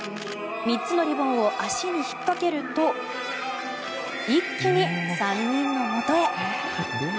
３つのリボンを足にひっかけると一気に３人のもとへ。